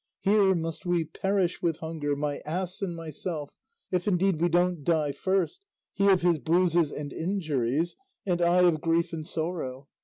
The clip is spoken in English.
Here must we perish with hunger, my ass and myself, if indeed we don't die first, he of his bruises and injuries, and I of grief and sorrow.